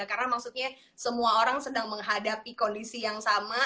karena maksudnya semua orang sedang menghadapi kondisi yang sama